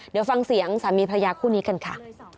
เดี๋ยวฟังเสียงสามีพระยาคู่นี้กันค่ะ